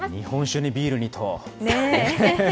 日本酒にビールにと。